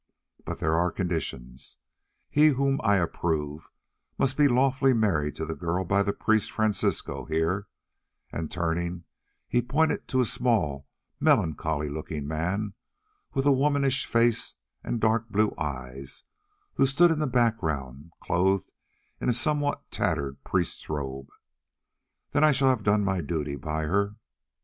But there are conditions: he whom I approve must be lawfully married to the girl by the priest Francisco here," and turning he pointed to a small melancholy looking man, with a womanish face and dark blue eyes, who stood in the background, clothed in a somewhat tattered priest's robe. "Then I shall have done my duty by her.